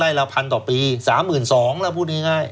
๓๒ไร่ละพันต่อปี๓๒๐๐๐ละพูดง่าย